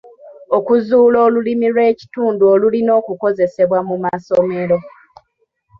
Okuzuula Olulimi lw'ekitundu olulina okukozesebwa mu masomero.